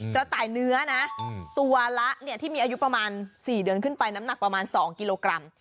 กระต่ายเนื้อนะตัวละที่มีอายุประมาณ๔เดือนขึ้นไปน้ำหนักประมาณ๒กิโลกรัม